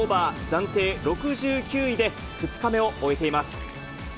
暫定６９位で、２日目を終えています。